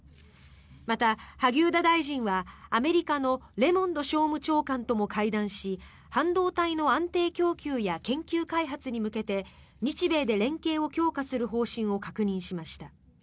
また、萩生田大臣はアメリカのレモンド商務長官とも会談し半導体の安定供給や研究開発に向けて日米で連携を強化する方針を確認しました。